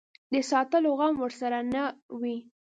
د ساتلو غم ورسره نه وي.